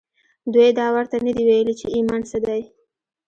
دوی دا ورته نه دي ویلي چې ایمان څه دی